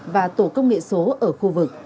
và tổ công nghệ số ở khu vực